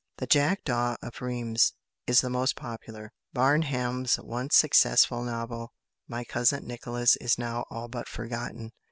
"The Jackdaw of Rheims" is the most popular. Barham's once successful novel, "My Cousin Nicholas," is now all but forgotten.